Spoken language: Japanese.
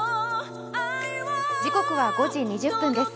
時刻は５時２０分です。